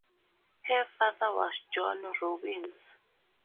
Her father was John Robbins.